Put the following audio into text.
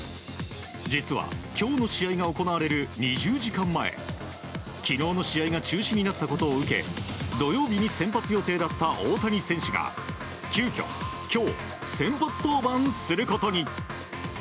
実は、今日の試合が行われる２０時間前昨日の試合が中止になったことを受け土曜日に先発予定だった大谷選手が急きょ今日、先発登板することに。